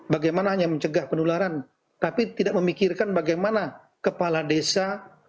bagaimana hanya mencegah penularan tapi tidak memikirkan bagaimana kepala desa